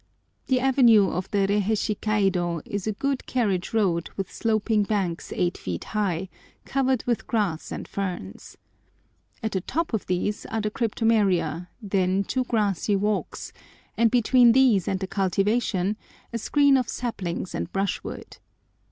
The avenue of the Reiheishi kaido is a good carriage road with sloping banks eight feet high, covered with grass and ferns. At the top of these are the cryptomeria, then two grassy walks, and between these and the cultivation a screen of saplings and brushwood.